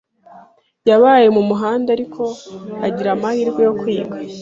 yabaye mu muhanda ariko agira amahirwe yo kwiga